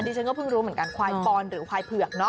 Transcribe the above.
ฉันก็เพิ่งรู้เหมือนกันควายปอนหรือควายเผือกเนอะ